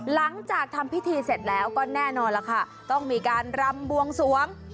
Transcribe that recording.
หลังจากทำพิธีเสร็จแล้วก็แน่นอนล่ะค่ะต้องมีการรำบวงสวง